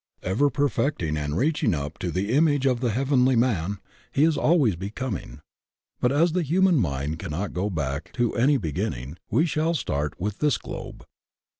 Ever perfecting and reaching up to the im age of the Heavenly Man, he is always becoming. But as the human mind cannot go back to any begin ning, we shall start with this globe.